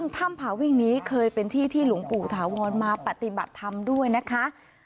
ท่ามผาวิงนี้เคยเป็นที่ที่หลุงปู่ถาวรมาปศิบาทน่ะ